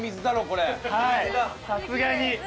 さすがに。